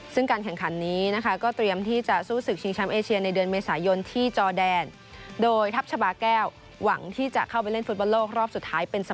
ซึ่งการแข่งขันนี้ก็เตรียมที่จะสู้ศึกชิงแชมป์เอเชียในเดือนเมษายนที่จอดแดน